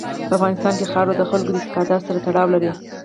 په افغانستان کې خاوره د خلکو اعتقاداتو سره تړاو لري.